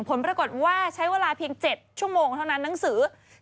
ผลปรากฏว่าใช้เวลาเพียง๗ชั่วโมงเท่านั้นหนังสือ